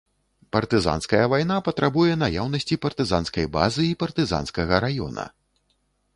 Партызанская вайна патрабуе наяўнасці партызанскай базы і партызанскага раёна.